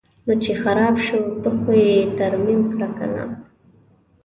نو چې خراب شو ته خو یې ترمیم کړه کنه.